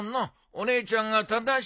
お姉ちゃんが正しいぞ。